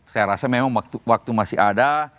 saya rasa memang waktu masih ada